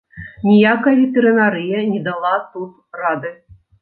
Ніякая ветэрынарыя не дала тут рады.